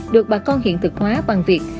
được bà con hiện thực hóa bằng việc